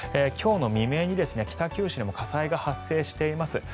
今日の未明に北九州でも火災が発生しています。